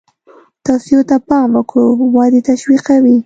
توصیو ته پام وکړو ودې تشویقوي.